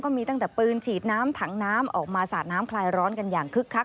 มีตั้งแต่ปืนฉีดน้ำถังน้ำออกมาสาดน้ำคลายร้อนกันอย่างคึกคัก